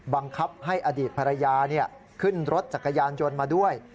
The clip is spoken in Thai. บังคับให้อดีตภรรยาขึ้นรถจักรยานยนต์มาด้วย